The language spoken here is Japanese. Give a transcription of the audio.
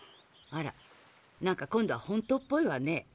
あらなんか今度はほんとっぽいわね。